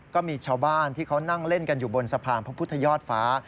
ก็มีชาวบ้านที่เขานั่งเล่นกันอยู่บนสะพานพระพุทธยอดฟ้า